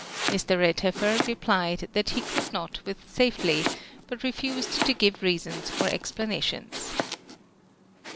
mV. RedhefTer, replied, ihat lie could not with safely — but refused to give reasons or explanations.